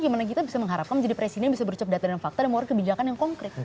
gimana kita bisa mengharapkan menjadi presiden bisa berucap data dan fakta dan melalui kebijakan yang konkret